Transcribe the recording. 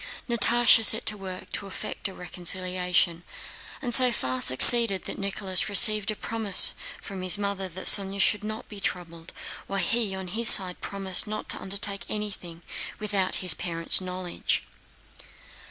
Natásha set to work to effect a reconciliation, and so far succeeded that Nicholas received a promise from his mother that Sónya should not be troubled, while he on his side promised not to undertake anything without his parents' knowledge.